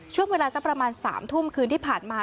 ช่วงเวลาสักประมาณ๓ทุ่มคืนที่ผ่านมา